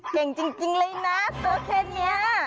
เป็นไงเก่งจริงเลยนะตัวเคนเนี่ย